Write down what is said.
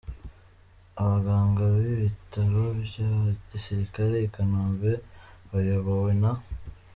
Abaganga b’Ibitaro bya Gisirikare i Kanombe, bayobowe na .